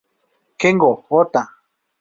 Kengo Ota